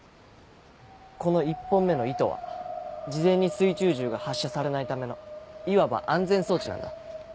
この１本目の糸は事前に水中銃が発射されないためのいわば安全装置なんだ。